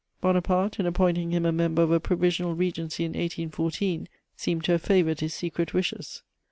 Bonaparte, in appointing him a member of a provisional regency in 1814, seemed to have favoured his secret wishes.